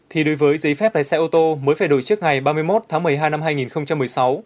thì đối với giấy phép lái xe ô tô mới phải đổi trước ngày ba mươi một tháng một mươi hai năm hai nghìn một mươi sáu